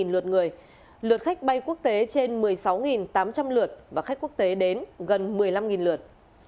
một trăm hai mươi lượt người lượt khách bay quốc tế trên một mươi sáu tám trăm linh lượt và khách quốc tế đến gần một mươi năm lượt